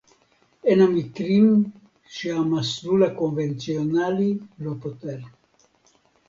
הן המקרים שהמסלול הקונבנציונלי לא פותר